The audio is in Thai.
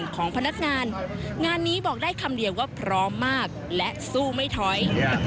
ของพนักงานงานนี้บอกได้คำเดียวว่าพร้อมมากและสู้ไม่ถอย